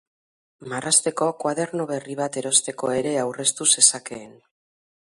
Marrazteko koaderno berri bat erosteko ere aurreztu zezakeen.